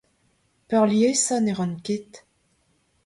Peurliesañ ne ran ket.